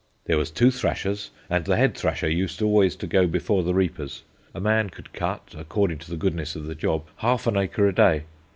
"There were two thrashers, and the head thrasher used always to go before the reapers. A man could cut according to the goodness of the job, half an acre a day.